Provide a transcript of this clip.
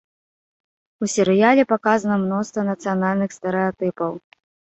У серыяле паказана мноства нацыянальных стэрэатыпаў.